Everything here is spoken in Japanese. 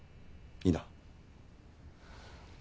いいな。